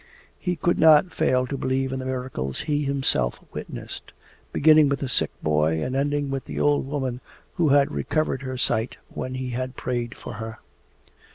He could not fail to believe in the miracles he himself witnessed, beginning with the sick boy and ending with the old woman who had recovered her sight when he had prayed for her.